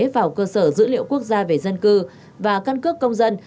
vào cơ sở dữ liệu quốc gia về dân cư và căn cước công dân